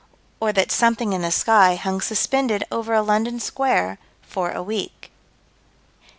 Or that something in the sky hung suspended over a London Square for a week.